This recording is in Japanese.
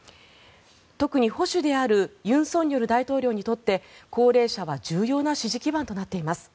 特に保守である尹錫悦大統領にとって高齢者は重要な支持基盤となっています。